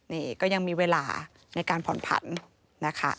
นี่ก็ยังมีเวลาในการผ่อนผันนะคะ